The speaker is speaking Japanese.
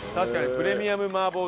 プレミアム麻婆豆腐。